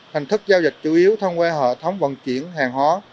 hình thức giao dịch chủ yếu thông qua hệ thống vận chuyển hàng hóa